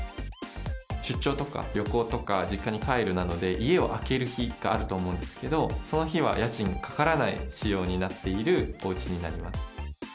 出張とか旅行とか実家に帰るなどで、家を空ける日があると思うんですけど、その日は家賃がかからない仕様になっているおうちになります。